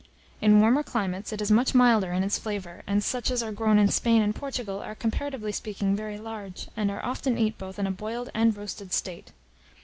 In warmer climates it is much milder in its flavour; and such as are grown in Spain and Portugal, are, comparatively speaking, very large, and are often eaten both in a boiled and roasted state.